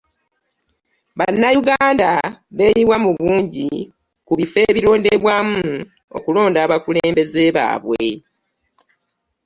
Bannayuganda beeyiwa mu bungi ku bifo ebironderwamu okulonda abakulembeze baabwe.